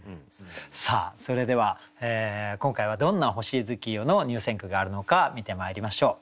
さあそれでは今回はどんな「星月夜」の入選句があるのか見てまいりましょう。